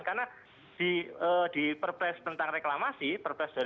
karena di perpres tentang reklamasi perpres dua ribu dua belas